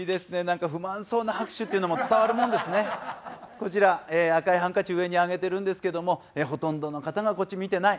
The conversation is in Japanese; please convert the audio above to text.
こちら赤いハンカチ上にあげてるんですけどもほとんどの方がこっち見てない。